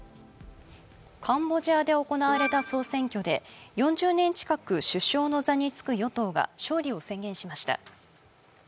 カンボジアで行われた総選挙で４０年近く首相の座につく与党が勝利を宣言しました。